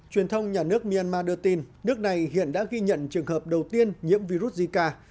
truyền thông nhà nước myanmar đưa tin nước này hiện đã ghi nhận trường hợp đầu tiên nhiễm virus zika